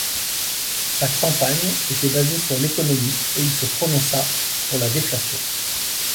Sa campagne était basée sur l'économie et il se prononça pour la déflation.